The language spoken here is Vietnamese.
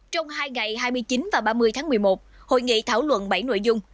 trong hai ngày hai mươi chín và ba mươi tháng một mươi một hội nghị thảo luận bảy nội dung